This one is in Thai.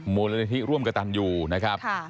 มูลนิธิร่วมกระตันอยู่นะครับ